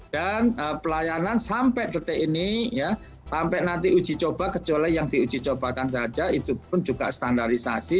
dan pelayanan sampai detik ini ya sampai nanti uji coba kecuali yang diuji cobakan saja itu pun juga standarisasi